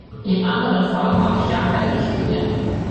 Im anderen Fall habe ich gar keine Richtlinie.